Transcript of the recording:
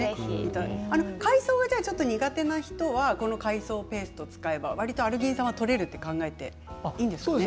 海藻が苦手な人はこの海藻ペーストを使えばわりとアルギン酸はとれると考えていいんですよね。